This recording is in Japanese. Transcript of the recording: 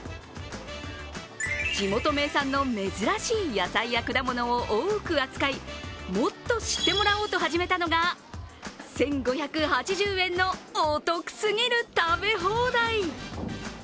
地元名産の珍しい野菜や果物を多く扱い、もっと知ってもらおうと始めたのが１５８０円のお得すぎる食べ放題。